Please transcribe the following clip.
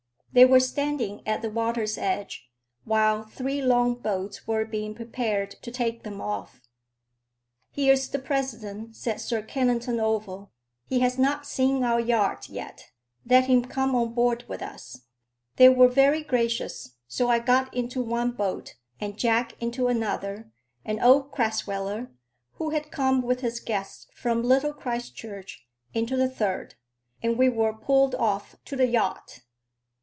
They were standing at the water's edge, while three long boats were being prepared to take them off. "Here's the President," said Sir Kennington Oval; "he has not seen our yacht yet: let him come on board with us." They were very gracious; so I got into one boat, and Jack into another, and old Crasweller, who had come with his guests from Little Christchurch, into the third; and we were pulled off to the yacht.